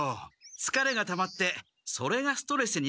つかれがたまってそれがストレスになってるんだな。